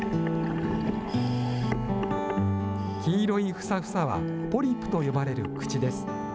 黄色いふさふさは、ポリプと呼ばれる口です。